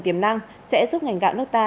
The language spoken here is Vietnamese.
tiềm năng sẽ giúp ngành gạo nước ta